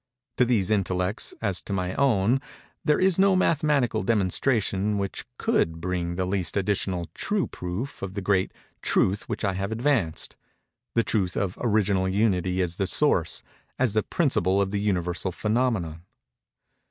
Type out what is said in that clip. To these intellects—as to my own—there is no mathematical demonstration which could bring the least additional true proof of the great Truth which I have advanced—the truth of Original Unity as the source—as the principle of the Universal Phænomena.